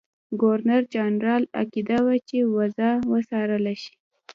ګورنرجنرال عقیده وه چې وضع وڅارله شي.